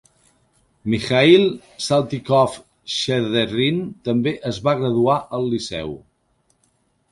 Mikhail Saltykov-Shchedrin també es va graduar al Liceu.